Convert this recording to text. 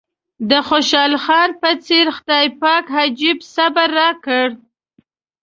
د خوشحال خان په څېر خدای پاک عجيب صبر راکړی.